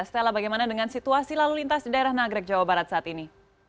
stella bagaimana dengan situasi lalu lintas di daerah nagrek jawa barat saat ini